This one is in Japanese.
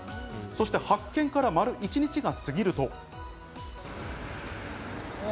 そして発見から丸一日がすぎると。